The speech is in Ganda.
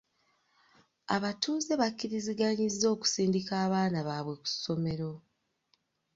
Abatuuze bakkiriziganyizza okusindika abaana baabwe ku ssomero.